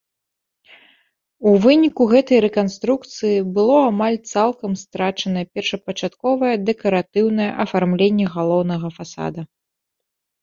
У выніку гэтай рэканструкцыі было амаль цалкам страчана першапачатковае дэкаратыўнае афармленне галоўнага фасада.